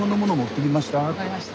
分かりました。